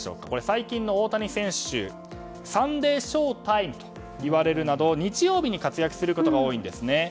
最近の大谷選手はサンデーショータイムと言われるなど日曜日に活躍することが多いんですね。